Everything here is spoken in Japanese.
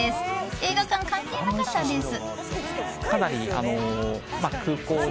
映画館、関係なかったです。